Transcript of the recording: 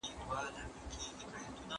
¬ خبره د خبري څخه زېږي.